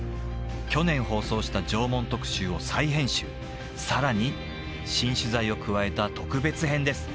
去年放送した縄文特集を再編集さらに新取材を加えた特別編です